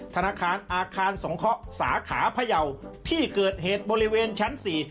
เพราะเจ้าหน้าที่การไฟฟ้าเค้ามีหลักฐานครับ